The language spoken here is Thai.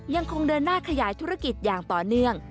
ยังคงเดินหน้าขยายธุรกิจอย่างต่อเนื่อง